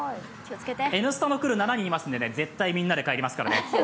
「Ｎスタ」のクルー７人いますから絶対みんなで帰りますからね。